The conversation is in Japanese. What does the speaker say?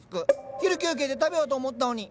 昼休憩で食べようと思ってたのに。